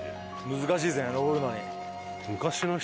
難しいですね登るのに。